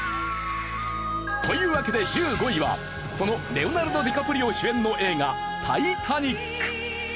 というわけで１５位はそのレオナルド・ディカプリオ主演の映画『タイタニック』。